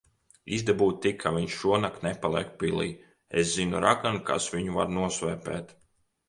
Izdabū tik, ka viņš šonakt nepaliek pilī. Es zinu raganu, kas viņu var nosvēpēt.